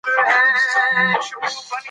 ازادي راډیو د ترانسپورټ ته پام اړولی.